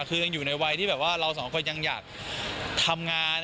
คือยังอยู่ในวัยที่แบบว่าเราสองคนยังอยากทำงาน